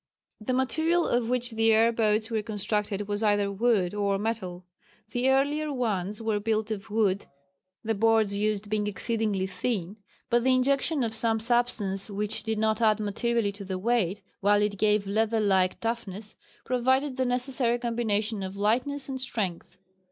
The material of which the air boats were constructed was either wood or metal. The earlier ones were built of wood the boards used being exceedingly thin, but the injection of some substance which did not add materially to the weight while it gave leather like toughness, provided the necessary combination of lightness and strength.